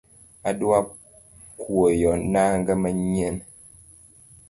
Adwa kwoyo nanga manyien